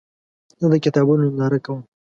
زه د کتابونو ننداره کوم.